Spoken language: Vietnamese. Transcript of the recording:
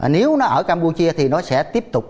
nếu nó ở campuchia thì nó sẽ tiếp tục